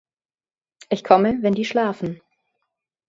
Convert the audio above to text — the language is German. Ich komme, wenn die schlafen.